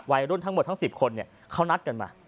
วัยรุ่นทั้งหมดทั้ง๑๐คนเขานัดกันมา